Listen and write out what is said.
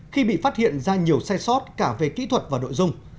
khi bị phát hiện ra nhiều sai sót cả về kỹ thuật và nội dung